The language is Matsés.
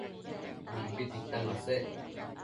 Mimbi tita masec